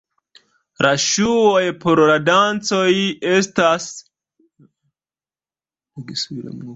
La ŝuoj por la dancoj estas ellaboritaj el blanka lano kaj ne havas kudroliniojn.